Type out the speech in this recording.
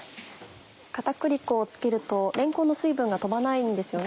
片栗粉を付けるとれんこんの水分が飛ばないんですよね。